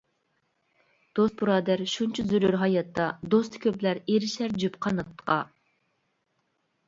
دوست-بۇرادەر شۇنچە زۆرۈر ھاياتتا، دوستى كۆپلەر ئېرىشەر جۈپ قاناتقا.